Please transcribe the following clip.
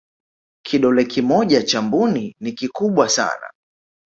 kidole kimoja cha mbuni ni kikubwa sana